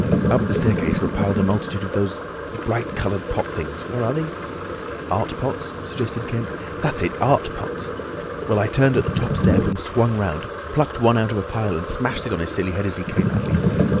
Up the staircase were piled a multitude of those bright coloured pot things—what are they?" "Art pots," suggested Kemp. "That's it! Art pots. Well, I turned at the top step and swung round, plucked one out of a pile and smashed it on his silly head as he came at me.